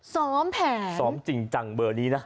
ซ้อมแผนซ้อมจริงจังเบอร์นี้นะ